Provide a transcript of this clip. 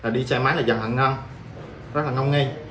đi xe máy là dần hận ngăn rất là ngông nghi